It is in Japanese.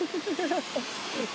ハハハ。